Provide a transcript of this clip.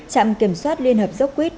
trạm kiểm soát liên hợp dốc quýt